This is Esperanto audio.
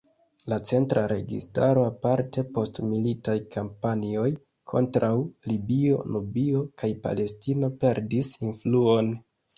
La centra registaro aparte post militaj kampanjoj kontraŭ Libio, Nubio kaj Palestino perdis influon.